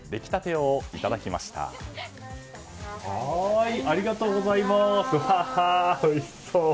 おいしそう。